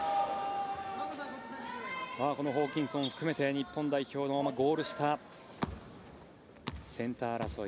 このホーキンソン含めて日本代表のゴール下センター争い